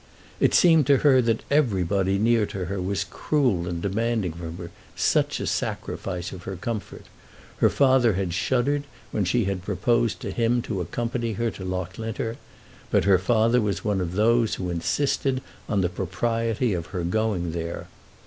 It seemed to her that everybody near to her was cruel in demanding from her such a sacrifice of her comfort. Her father had shuddered when she had proposed to him to accompany her to Loughlinter; but her father was one of those who insisted on the propriety of her going there.